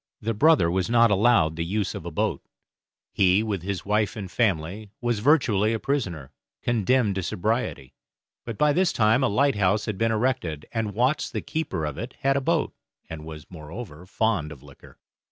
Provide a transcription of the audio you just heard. The brother was not allowed the use of a boat; he, with his wife and family, was virtually a prisoner, condemned to sobriety. But by this time a lighthouse had been erected, and Watts the keeper of it had a boat, and was, moreover, fond of liquor.